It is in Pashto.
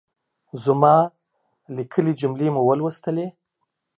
زما ليکلۍ جملې مو ولوستلې؟